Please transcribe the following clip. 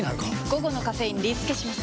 午後のカフェインリスケします！